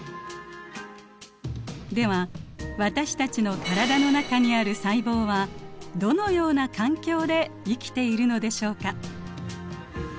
では私たちの体の中にある細胞はどのような環境で生きているのでしょうか。